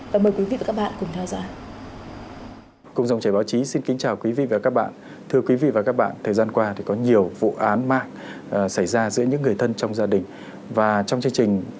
và mời quý vị và các bạn cùng theo dõi